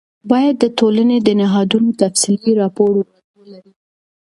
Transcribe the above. باید د ټولنې د نهادونو تفصیلي راپور ولرئ.